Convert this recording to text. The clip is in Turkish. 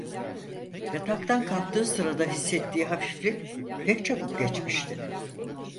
Yataktan kalktığı sırada hissettiği hafiflik pek çabuk geçmişti.